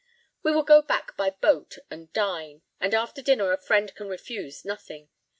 "We will go back by boat and dine, and after dinner a friend can refuse nothing.